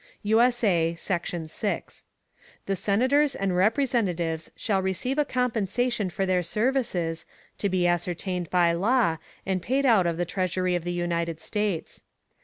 [USA] Section 6. The Senators and Representatives shall receive a Compensation for their Services, to be ascertained by Law, and paid out of the Treasury of the United States.